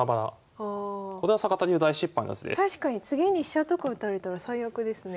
確かに次に飛車とか打たれたら最悪ですね。